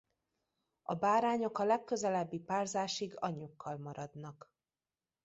A bárányok a legközelebbi párzásig anyjukkal maradnak.